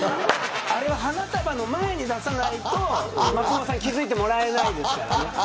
あれは花束の前に出さないと気付いてもらえないですからね。